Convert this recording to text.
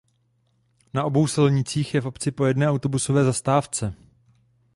Na obou silnicích je v obci po jedné autobusové zastávce.